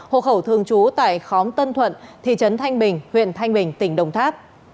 hộ khẩu thường trú tại khóm tân thuận thị trấn thanh bình huyện thanh bình tỉnh đồng tháp